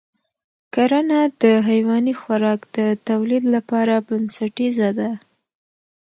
کرنه د حیواني خوراک د تولید لپاره بنسټیزه ده.